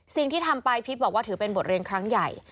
สิ่งที่ทำไปพีชบอกว่าถือเป็นบทเรียนครั้งใหญ่